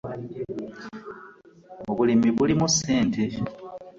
Obulimi bulimu ssente.